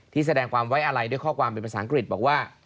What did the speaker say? แสดงความไว้อะไรด้วยข้อความเป็นภาษาอังกฤษบอกว่า